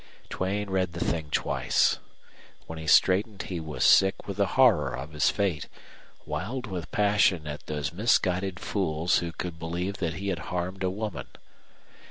Duane read the thing twice. When he straightened he was sick with the horror of his fate, wild with passion at those misguided fools who could believe that he had harmed a woman.